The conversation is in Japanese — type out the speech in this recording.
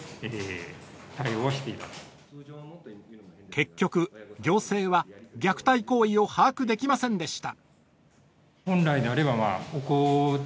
結局、行政は虐待行為を把握できませんでした。